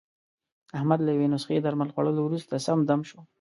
احمد له یوې نسخې درمل خوړلو ورسته، سم دم شو.